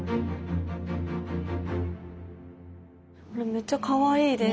めっちゃかわいいです。